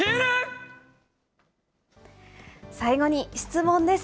最後に質問です。